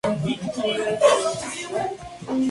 Sin quererlo, el joven deberá decidir entre una u otra...